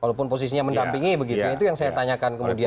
walaupun posisinya mendampingi begitu itu yang saya tanyakan kemudian